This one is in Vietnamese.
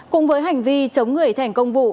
cùng với hành vi chống người thi hành công vụ